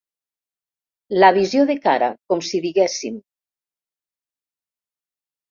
La visió de cara, com si diguéssim.